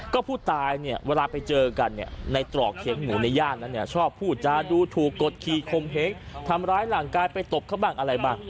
ก็ผู้ตายเนี่ยเวลาไปเจอกันเนี่ยในตรอกเขียงหมูในย่านนั้นเนี่ยชอบพูดจาดูถูกกดขี่คมเฮ้งทำร้ายร่างกายไปตบเขาบ้างอะไรบ้าง